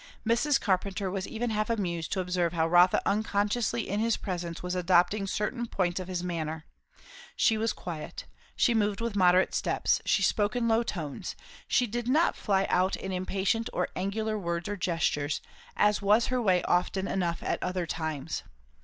Mrs. Carpenter was even half amused to observe how Rotha unconsciously in his presence was adopting certain points of his manner; she was quiet; she moved with moderate steps; she spoke in low tones; she did not fly out in impatient or angular words or gestures, as was her way often enough at other times.